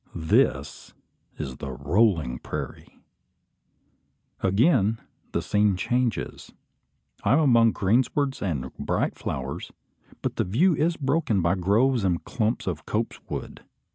This is the "rolling prairie." Again the scene changes. I am among greenswards and bright flowers; but the view is broken by groves and clumps of copse wood.